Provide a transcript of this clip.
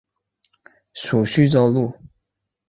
属叙州路。